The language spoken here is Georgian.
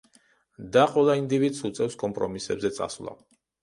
და ყველა ინდივიდს უწევს კომპრომისებზე წასვლა.